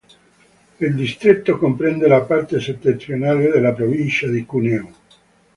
Il distretto comprende la parte settentrionale della provincia di Cuneo.